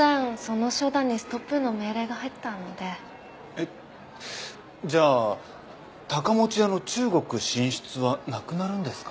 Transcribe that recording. えっじゃあ高持屋の中国進出はなくなるんですか？